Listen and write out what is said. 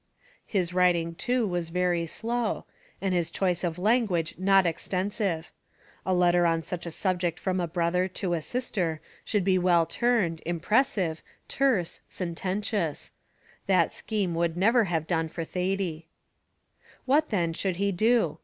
His writing too was very slow, and his choice of language not extensive; a letter on such a subject from a brother to a sister should be well turned, impressive, terse, sententious: that scheme would never have done for Thady. What then should he do?